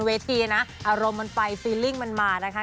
มันเวทีนะอารมณ์มันไปฟิลลิงค์มันมานะคะ